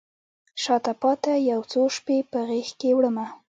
شاته پاته یو څو شپې په غیږکې وړمه